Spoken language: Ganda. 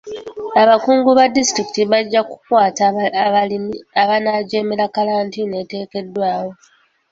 Abakungu ba disitulikiti bajja kukwata abalimi abanaajemera kkalantiini eteekeddwawo.